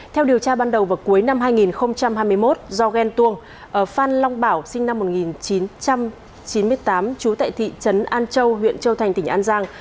theo điều tra ban đầu vào cuối năm hai nghìn hai mươi một do ghen tuông phan long bảo sinh năm một nghìn chín trăm chín mươi tám trú tại thị trấn an châu huyện châu thành tỉnh an giang